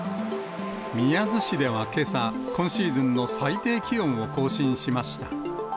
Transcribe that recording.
宮津市ではけさ、今シーズンの最低気温を更新しました。